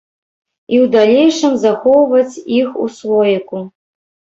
І ў далейшым захоўваць іх у слоіку.